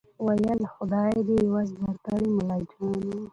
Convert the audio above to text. ویل خدای دي عوض درکړي ملاجانه